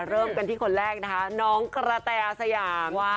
เริ่มกันที่คนแรกน้องกระแตรท์แรง